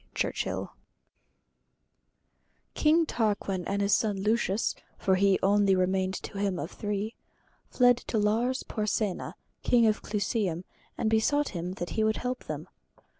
CHURCH King Tarquin and his son Lucius (for he only remained to him of the three) fled to Lars Porsenna, King of Clusium, and besought him that he would help them.